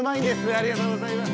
ありがとうございます。